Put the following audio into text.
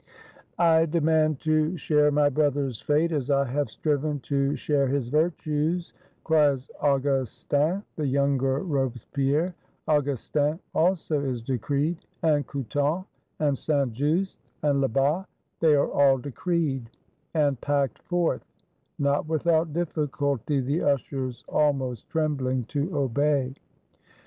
"I demand to share my Brother's fate, as I have striven to share his virtues," cries i\ugustin, the younger Robespierre; Augustin also is decreed; and Couthon, and Saint Just, and Lebas, they are all decreed; and packed forth, — not without difficulty, the Ushers almost trembUng to obey.